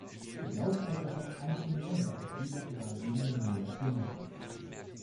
Ich glaube aber, dass auch einzelne Länder auf bilateraler Ebene mehr tun müssen.